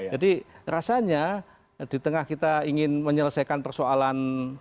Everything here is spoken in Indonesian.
jadi rasanya di tengah kita ingin menyelesaikan persoalan